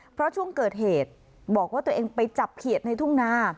เพราะช่วงเกิดเหตุบอกว่าตัวเองไปจับเขียดในทุ่งนา